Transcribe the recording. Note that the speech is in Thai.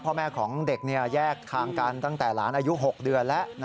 พ่อแม่ของเด็กแยกทางกันตั้งแต่หลานอายุ๖เดือนแล้ว